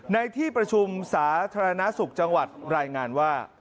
ในที่ประชุมสาธารณสุขจังหวัดรายงานว่า